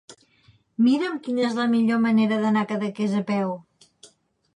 Mira'm quina és la millor manera d'anar a Cadaqués a peu.